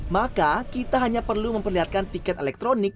maka kita hanya perlu memperlihatkan tiket elektronik